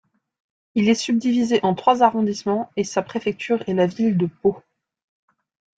Il est subdivisé en trois arrondissements et sa préfecture est la ville de Pau.